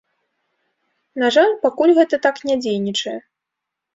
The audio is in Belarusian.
На жаль, пакуль гэта так не дзейнічае.